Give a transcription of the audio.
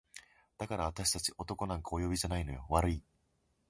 「だからあたし達男なんかお呼びじゃないのよ悪い？」